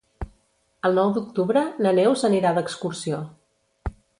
El nou d'octubre na Neus anirà d'excursió.